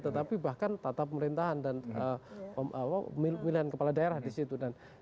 tetapi bahkan tata pemerintahan dan pilihan kepala daerah disitu